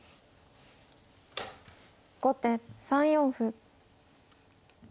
後手３四歩。